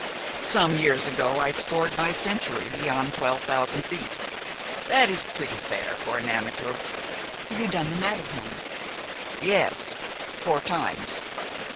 "Some years ago I scored my century beyond twelve thousand feet. That is pretty fair for an amateur." "Have you done the Matterhorn?" "Yes, four times.